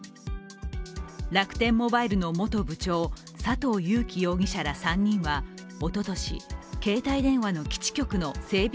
楽天モバイルの元部長、佐藤友紀容疑者ら３人はおととし、携帯電話の基地局の整備